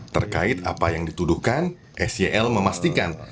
terkait apa yang dituduhkan sel memastikan